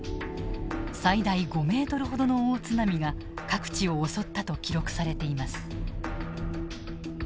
最大５ｍほどの大津波が各地を襲ったと記録されています。